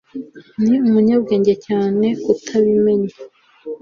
ni umunyabwenge cyane kutabimenya